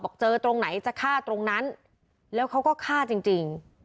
เจอตรงไหนจะฆ่าตรงนั้นแล้วเขาก็ฆ่าจริง